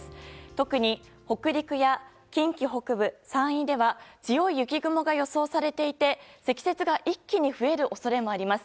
特に北陸や近畿北部、山陰では強い雪雲が予想されていて積雪が一気に増える恐れもあります。